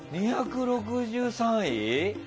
２６３位？